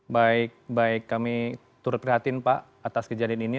baik baik kami turut prihatin pak atas kejadian ini